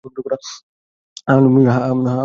হ্যাঁ, আমি লোভী।